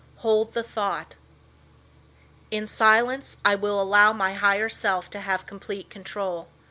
Hold the thought: In silence I will allow my higher self to have complete control.